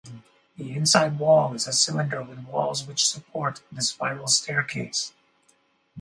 The inside wall is a cylinder with walls which support the spiral staircase.